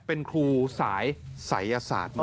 เป็นครูสายสายอาศาสตร์